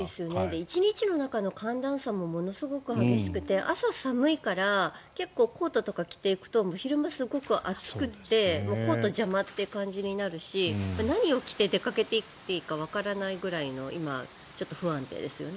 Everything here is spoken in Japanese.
１日の中の寒暖差もものすごく激しくて朝、寒いから結構、コートとか着ていくと昼間すごく暑くてコート邪魔って感じになるし何を着て出かけて行っていいかわからないぐらいの今、ちょっと不安定ですよね。